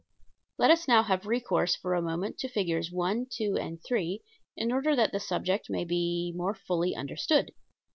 Let us now have recourse, for a moment, to Figs. 1, 2, and 3 in order that the subject may be more fully understood.